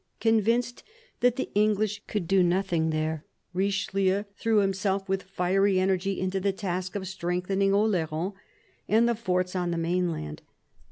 Convinced that the English " could do nothing there," Richelieu threw himself with fiery energy into the task of strengthening Oleron and the forts on the mainland.